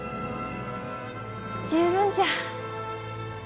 十分じゃ。